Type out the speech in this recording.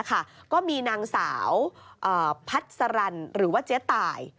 ก็มีนางสาวพัดสรรหรือว่าเจ๊ตาย